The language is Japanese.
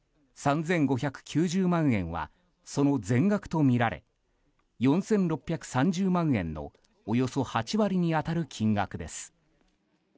３５９０万円はその全額とみられ４６３０万円のおよそ８割に当たる金額です。